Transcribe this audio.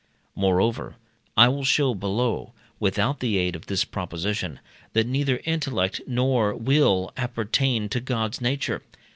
Moreover, I will show below, without the aid of this proposition, that neither intellect nor will appertain to God's nature.